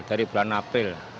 dari bulan april